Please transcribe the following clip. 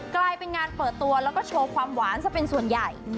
กลายเป็นงานเปิดตัวแล้วก็โชว์ความหวานซะเป็นส่วนใหญ่